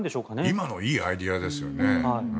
今のいいアイデアですよね。